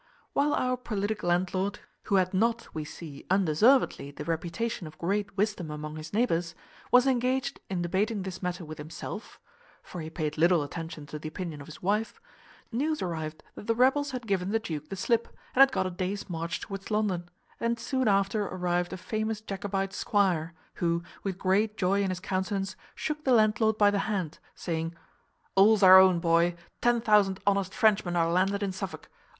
While our politic landlord, who had not, we see, undeservedly the reputation of great wisdom among his neighbours, was engaged in debating this matter with himself (for he paid little attention to the opinion of his wife), news arrived that the rebels had given the duke the slip, and had got a day's march towards London; and soon after arrived a famous Jacobite squire, who, with great joy in his countenance, shook the landlord by the hand, saying, "All's our own, boy, ten thousand honest Frenchmen are landed in Suffolk.